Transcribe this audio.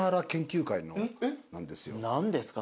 何ですか？